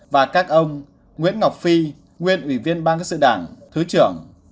và các ông nguyễn ngọc phi nguyên ủy viên ban cán sự đảng thứ trưởng